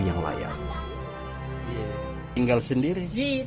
ia tidak bisa dikonsumsi dengan penyeluruhan yang layak